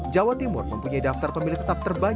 jawa timur mempunyai daftar pemilih tetap terbaik